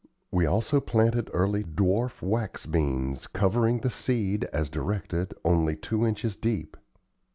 We also planted early dwarf wax beans, covering the seed, as directed, only two inches deep.